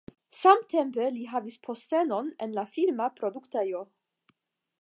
Samtempe li havis postenon en la filma produktejo.